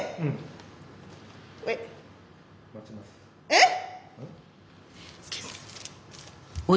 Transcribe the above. えっ！